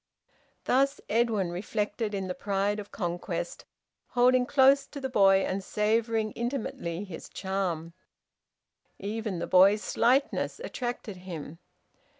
Thus Edwin reflected in the pride of conquest, holding close to the boy, and savouring intimately his charm. Even the boy's slightness attracted him.